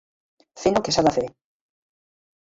Fent el que s'ha de fer.